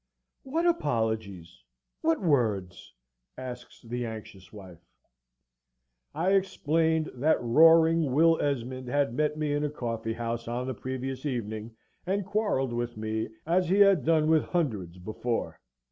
"What apologies? what words?" asks the anxious wife. I explained that roaring Will Esmond had met me in a coffee house on the previous evening, and quarrelled with me, as he had done with hundreds before.